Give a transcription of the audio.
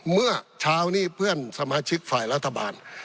เมื่อเช้านี้เพื่อนสมาชิกฝ่ายรัฐบาล